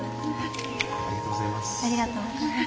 ありがとうございます。